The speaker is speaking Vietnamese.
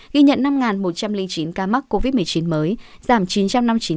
ghi nhận năm một trăm linh chín ca mắc covid một mươi chín mới